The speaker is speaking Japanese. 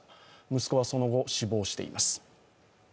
息子はその後、死亡しています。